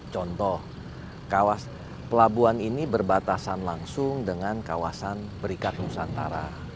contoh pelabuhan ini berbatasan langsung dengan kawasan berikat nusantara